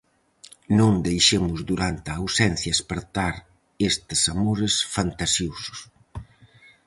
Non deixemos durante a ausencia espertar estes amores fantasiosos.